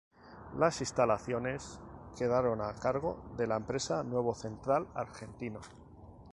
Las instalaciones quedaron a cargo de la empresa Nuevo Central Argentino.